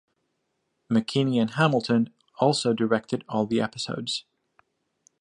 McKinney and Hamilton also directed all the episodes.